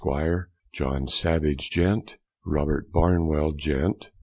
John Savage, Gent.; Robert Barnwell, Gent.